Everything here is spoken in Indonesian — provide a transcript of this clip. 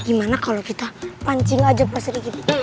gimana kalau kita pancing aja peseri kitty